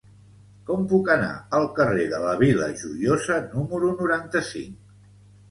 Com puc anar al carrer de la Vila Joiosa número noranta-cinc?